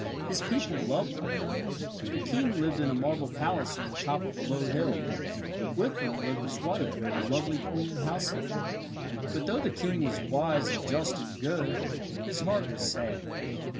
His people loved him. The king lived in a marble palace on the top of a low hill. With him lived his wife, the lovely Queen Halcyone. But though the king was wise and just and good, his heart was sad.